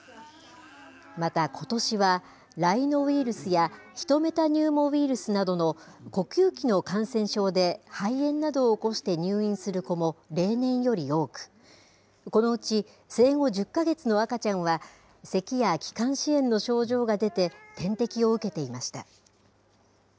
また、ことしはライノウイルスやヒトメタニューモウイルスなどの、呼吸器の感染症で肺炎などを起こして入院する子も例年より多く、このうち生後１０か月の赤ちゃんは、せきや気管支炎の症状が出て点滴を受けていました。